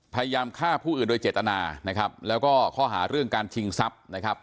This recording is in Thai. พยายามฆ่าผู้อื่นโดยเจตนานะครับแล้วก็ข้อหาเรื่องการชิงทรัพย์นะครับ